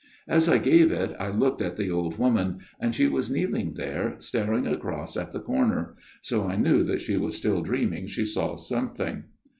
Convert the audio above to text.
" As I gave it, I looked at the old woman, and she was kneeling there, staring across at the corner ; so I knew that she was still dreaming she saw something.